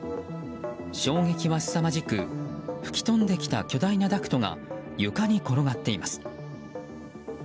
衝撃はすさまじく吹き飛んできた巨大なダクトが床に転がっています。